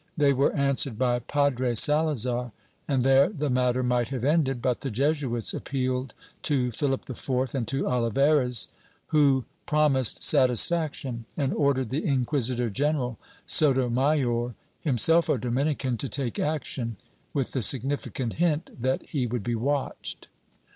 They were answered by Padre Salazar and there the matter might have ended, but the Jesuits appealed to Philip IV and to Olivares, who promised satisfaction and ordered the Inquisitor general Sotomayor (him self a Dominican) to take action, with the significant hint that he would be watched.